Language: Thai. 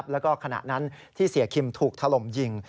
แล้วก็ขณะนั้นที่เสียคิมถูกถล่มยิง